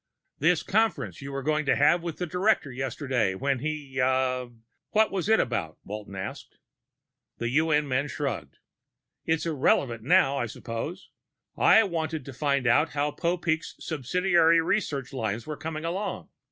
"This conference you were going to have with the director yesterday when he ah, what was it about?" Walton asked. The UN man shrugged. "It's irrelevant now, I suppose. I wanted to find out how Popeek's subsidiary research lines were coming along.